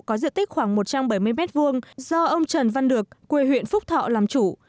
có diện tích khoảng một trăm bảy mươi m hai do ông trần văn được quê huyện phúc thọ làm chủ